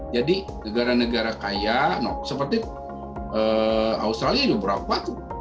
jadi negara negara kaya seperti australia itu berapa